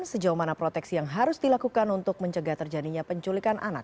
sejauh mana proteksi yang harus dilakukan untuk mencegah terjadinya penculikan anak